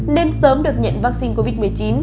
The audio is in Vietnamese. nên sớm được nhận vaccine covid một mươi chín